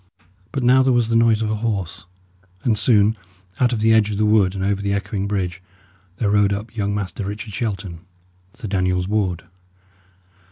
But now there was the noise of a horse; and soon, out of the edge of the wood and over the echoing bridge, there rode up young Master Richard Shelton, Sir Daniel's ward.